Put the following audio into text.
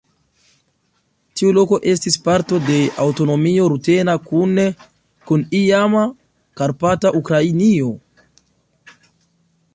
Tiu loko estis parto de aŭtonomio rutena kune kun iama Karpata Ukrainio.